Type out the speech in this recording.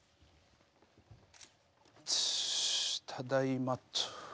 よしただいまっと。